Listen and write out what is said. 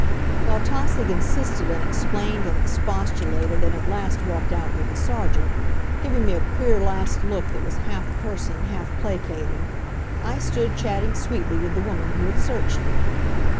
While Tausig insisted and explained and expostulated and at last walked out with the Sergeant giving me a queer last look that was half cursing, half placating I stood chatting sweetly with the woman who had searched me.